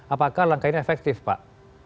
apakah langkah ini efektif pak